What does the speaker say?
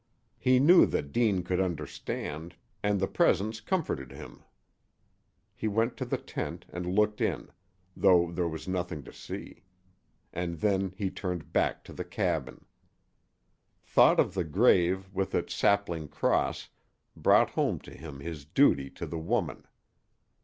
He knew that Deane could understand, and the presence comforted him. He went to the tent and looked in, though there was nothing to see. And then he turned back to the cabin. Thought of the grave with its sapling cross brought home to him his duty to the woman.